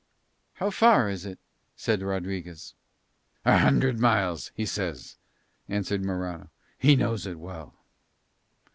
"How far is it?" said Rodriguez. "A hundred miles, he says," answered Morano. "He knows it well."